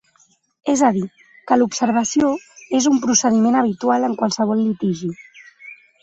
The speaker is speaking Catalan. És a dir, que l’observació és un procediment habitual en qualsevol litigi.